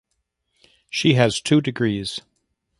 She has two degrees.